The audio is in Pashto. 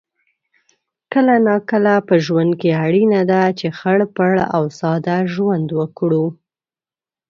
کله ناکله په ژوند کې اړینه ده چې خړ پړ او ساده ژوند وکړو